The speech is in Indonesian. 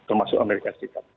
termasuk amerika serikat